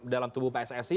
dalam tubuh pssi